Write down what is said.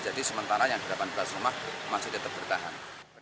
jadi sementara yang delapan belas rumah masih tetap bertahan